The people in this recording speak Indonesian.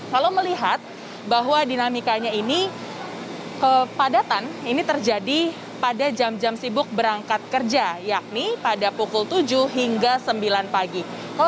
kalau melihat bahwa dinamikanya ini kepadatan ini terjadi pada jam jam sibuk berangkat kerja yakni pada pukul tujuh hingga sembilan pagi